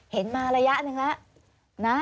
เห็นมาระยะหนึ่งแล้วนะ